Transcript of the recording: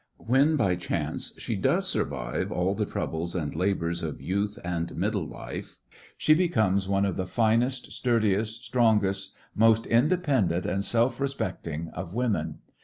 When by chance she does survive all the troubles and labors of youth and middle life, she becomes one of the finest, sturdiest, strongest, most independent and self respect ing of women.